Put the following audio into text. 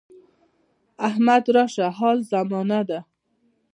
احمد راشه حال زمانه ده.